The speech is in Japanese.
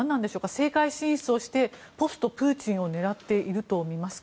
政界進出をしてポストプーチンを狙っているとみますか。